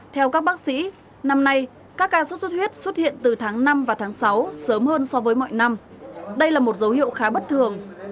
theo các bác sĩ năm nay các ca sốt xuất huyết xuất hiện từ tháng năm và tháng sáu sớm hơn so với mọi năm đây là một dấu hiệu khá bất thường